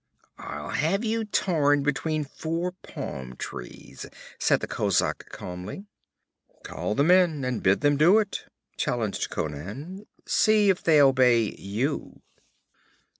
'I'll have you torn between four palm trees,' said the kozak calmly. 'Call the men and bid them do it!' challenged Conan. 'See if they obey you!'